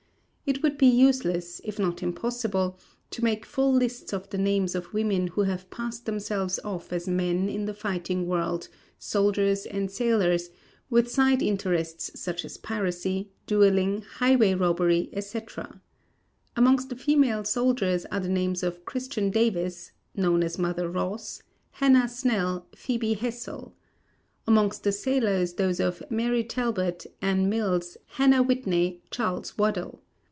It would be useless, if not impossible, to make full lists of the names of women who have passed themselves off as men in the fighting world soldiers and sailors, with side interests such as piracy, duelling, highway robbery, etc. Amongst the female soldiers are the names of Christian Davis (known as Mother Ross), Hannah Snell, Phœbe Hessel. Amongst the sailors those of Mary Talbot, Ann Mills, Hannah Whitney, Charles Waddell.